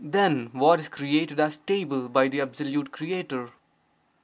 Then what is created as stable by the absolute Creator?